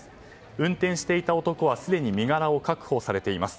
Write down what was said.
運転していた男はすでに身柄を確保されています。